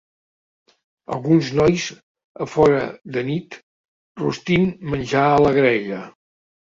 Alguns nois a fora de nit rostint menjar a la graella.